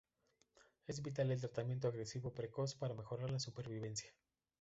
Es vital el tratamiento agresivo precoz para mejorar la supervivencia.